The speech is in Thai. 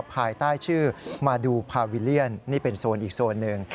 ภายใต้ชื่อมาดูพาวิลเลียนนี่เป็นโซนอีกโซนหนึ่ง